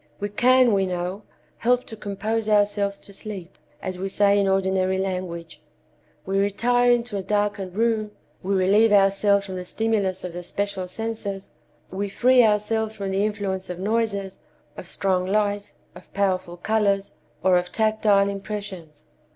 We can, we know, help to compose ourselves to sleep, as we say in ordinary language. We retire into a darkened room, we relieve ourselves from the stimulus of the special senses, we free ourselves from the influence of noises, of strong light, of powerful colors, or of tactile impressions.